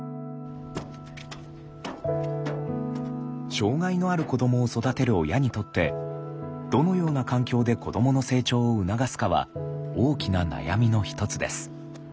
障害のある子どもを育てる親にとってどのような環境で子どもの成長を促すかは大きな悩みの一つです。